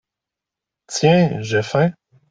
Tiens, j’ai faim.